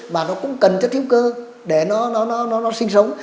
mà nó cũng cần chất hữu cơ để nó sinh sống